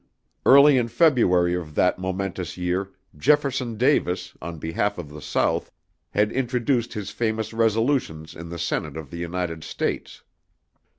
Early in February of that momentous year, Jefferson Davis, on behalf of the South, had introduced his famous resolutions in the Senate of the United States.